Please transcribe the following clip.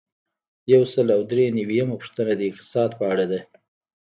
یو سل او درې نوي یمه پوښتنه د اقتصاد په اړه ده.